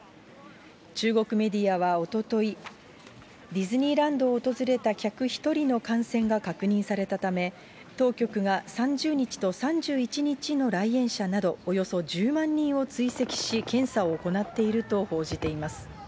中国メディアはおととい、ディズニーランドを訪れた客１人の感染が確認されたため、当局が３０日と３１日の来園者などおよそ１０万人を追跡し、検査を行っていると報じています。